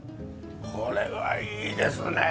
これはいいですね！